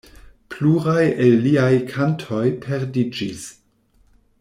Pluraj el liaj kantoj perdiĝis.